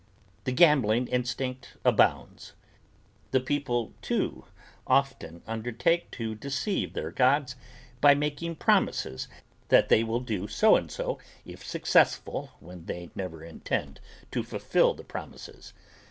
The gambling instinct abounds. The people too often undertake to deceive their gods by making promises that they will do so and so if successful when they never intend to fulfill the promises.